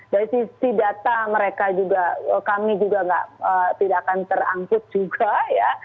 dari sisi data mereka juga kami juga tidak akan terangkut juga ya